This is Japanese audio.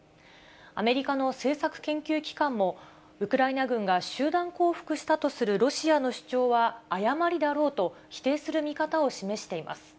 アメリカの政策研究機関も、ウクライナ軍が集団降伏したとする、ロシアの主張は誤りだろうと、否定する見方を示しています。